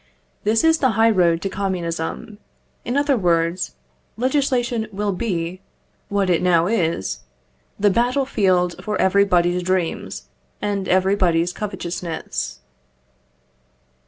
This is the high road to communism; in other words, legislation will be what it now is the battle field for everybody's dreams and everybody's covetousness.